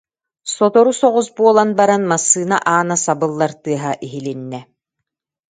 Сотору соҕус буолан баран, массыына аана сабыллар тыаһа иһилиннэ